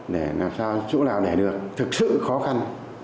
để làm sao chỗ nào để được thực sự khó khăn